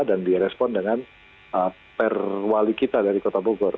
dan direspon dengan perwali kita dari kota bogor